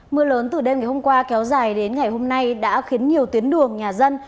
mưa lớn từ đêm ngày hôm qua kéo dài đến ngày hôm nay đã khiến nhiều tuyến đường nhà dân